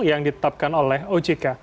yang ditetapkan oleh ojk